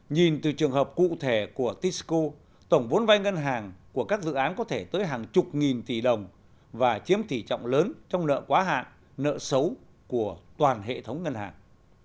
nhìn từ trường hợp cụ thể của tisco tổng vốn vai ngân hàng của các dự án có thể tới hàng chục nghìn tỷ đồng và chiếm tỷ trọng lớn trong nợ quá hạn nợ xấu của toàn hệ thống ngân hàng